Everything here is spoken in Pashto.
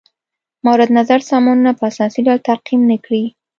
مورد نظر سامانونه په اساسي ډول تعقیم نه کړي.